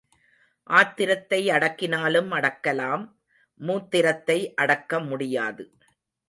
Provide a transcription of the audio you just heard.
ஆத்திரத்தை அடக்கினாலும் அடக்கலாம் மூத்திரத்தை அடக்க முடியாது.